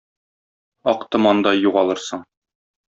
Ак томандай югалырсың